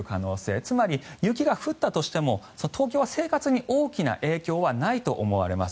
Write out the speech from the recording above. つまり雪が降ったとしても東京は生活に大きな影響はないと思われます。